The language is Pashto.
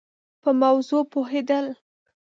په موضوع پوهېد ل